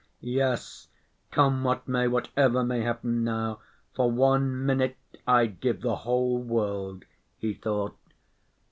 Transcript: "Yes, come what may—whatever may happen now, for one minute I'd give the whole world," he thought.